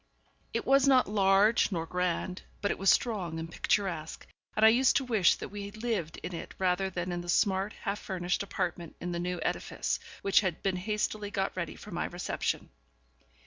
It was not large nor grand, but it was strong and picturesque, and I used to wish that we lived in it rather than in the smart, half furnished apartment in the new edifice, which had been hastily got ready for my reception.